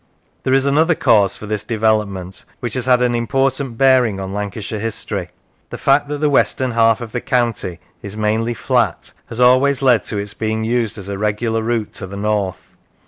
There is another cause for this development which has had an important bearing on Lancashire history. The fact that the western half of the county is mainly flat has always led to its being used as a regular route to the north.